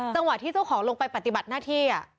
จังหวะที่เจ้าของลงไปปฏิบัติหน้าที่